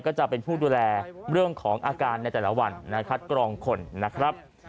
ก็จะเป็นผู้ดูแลเรื่องของอาการในแต่ละวันคัดกรองคนนะครับ